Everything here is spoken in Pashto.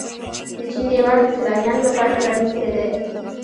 د چین دیوار د سیلانیانو لپاره پرانیستی دی.